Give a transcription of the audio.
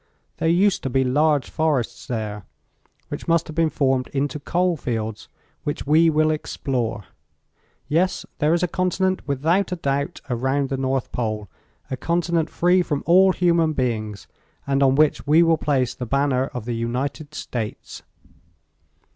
There used to be large forests there, which must have been formed into coal fields, which we will explore. Yes, there is a continent, without a doubt, around the North Pole a continent free from all human beings, and on which we will place the banner of the United States."